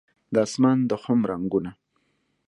د اسمان د خم رنګونه